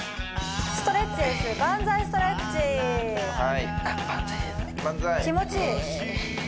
ストレッチです